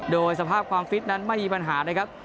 โดยสภาพความฟิตนั้นไม่มีปัญหานะครับ